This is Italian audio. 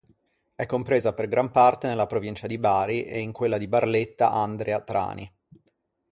È compresa per gran parte nella provincia di Bari e in quella di Barletta-Andria-Trani.